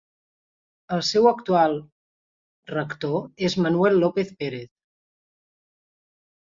El seu actual rector és Manuel López Pérez.